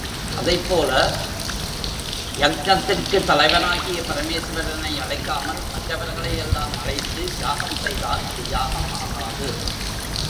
அதைப்போல யக்ஞத்திற்குத் தலைவனாகிய பரமேசுவரனை அழைக்காமல் மற்றவர்களை எல்லாம் அழைத்து யாகம் செய்தால் அது யாகம் ஆகாது.